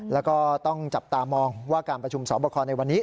แล้วก็ต้องจับตามองว่าการประชุมสอบคอในวันนี้